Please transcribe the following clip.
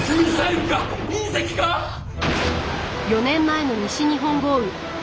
４年前の西日本豪雨。